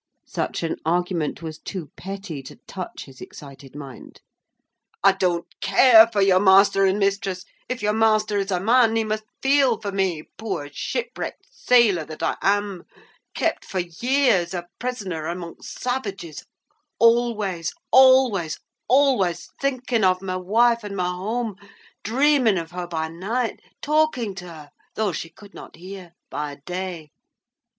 Such an argument was too petty to touch his excited mind. "I don't care for your master and mistress. If your master is a man, he must feel for me poor shipwrecked sailor that I am—kept for years a prisoner amongst savages, always, always, always thinking of my wife and my home—dreaming of her by night, talking to her, though she could not hear, by day.